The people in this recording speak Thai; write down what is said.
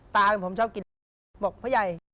ตาเหมือนผมชอบกินบอกพ่อใหญ่